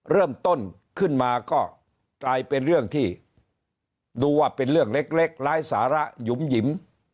เริ่มต้นขึ้นมาก็กลายเป็นเรื่องที่ดูว่าเป็นเรื่องเล็กร้ายสาระหยุ่มหยิม